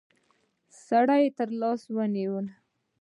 سړي تر لاس ونيوله.